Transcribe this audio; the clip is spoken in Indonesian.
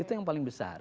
itu yang paling besar